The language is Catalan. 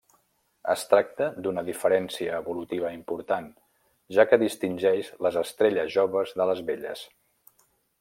Es tracta d'una diferència evolutiva important, ja que distingeix les estrelles joves de les velles.